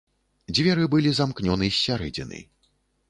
Дзверы былі замкнёны з сярэдзіны.